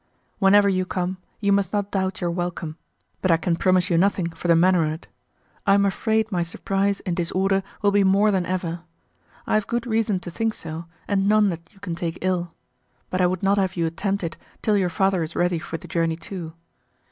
Whenever you come you must not doubt your welcome, but I can promise you nothing for the manner on't. I am afraid my surprise and disorder will be more than ever. I have good reason to think so, and none that you can take ill. But I would not have you attempt it till your father is ready for the journey too.